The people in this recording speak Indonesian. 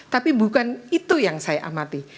tapi bukan itu yang saya amati